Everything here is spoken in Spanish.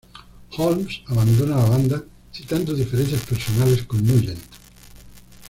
Holmes abandonó la banda citando diferencias personales con Nugent.